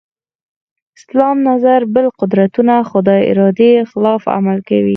اسلام نظر بل قدرتونه خدای ارادې خلاف عمل کوي.